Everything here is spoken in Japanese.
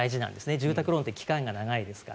住宅ローンって期間が長いですから。